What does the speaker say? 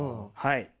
はい。